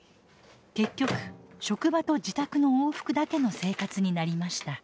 結局職場と自宅の往復だけの生活になりました。